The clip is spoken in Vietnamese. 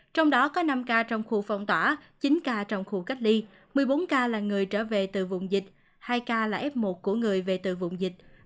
trong đó có năm ca trong khu phòng tỏa chín ca trong khu cách ly một mươi bốn ca là người trở về từ vùng dịch